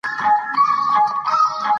وادي د افغان کلتور په داستانونو کې راځي.